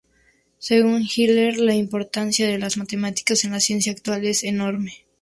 Según Heller, la importancia de las matemáticas en la ciencia actual es enorme.